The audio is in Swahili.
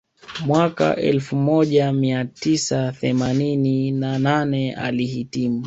Mwaka elfu moja mia tisa themanini na nane alihitimu